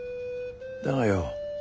だがよ